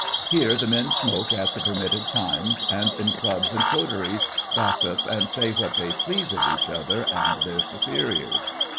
Here the men smoke at the permitted times, and in clubs and coteries gossip and say what they please of each other and their superiors.